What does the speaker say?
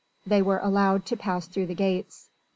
They were allowed to pass through the gates.